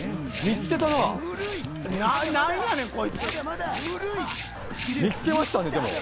見つけましたねでも。